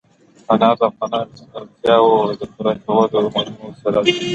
انار د افغانانو د اړتیاوو د پوره کولو یوه مهمه وسیله ده.